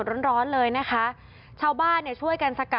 กระทั่งตำรวจก็มาด้วยนะคะ